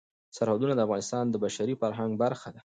سرحدونه د افغانستان د بشري فرهنګ برخه ده.